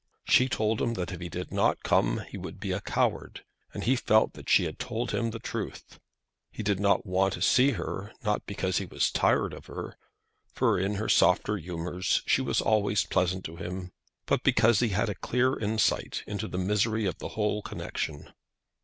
She told him that if he did not come he would be a coward, and he felt that she had told him the truth. He did not want to see her, not because he was tired of her, for in her softer humours she was always pleasant to him, but because he had a clear insight into the misery of the whole connection.